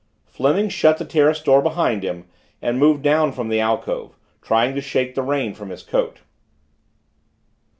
Fleming shut the terrace door behind him and moved down from the alcove, trying to shake the rain from his coat.